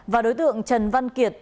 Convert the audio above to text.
và đối tượng trần văn kiệt